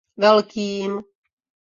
Velkým.